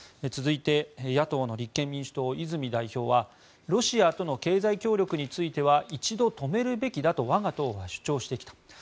続いて野党の立憲民主党、泉代表はロシアとの経済協力については一度止めるべきだと我が党は主張してきた。